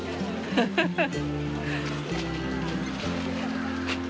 フフフッ。